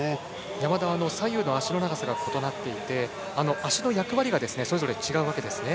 山田は左右の足の長さが異なっていて足の役割がそれぞれ違うわけですね。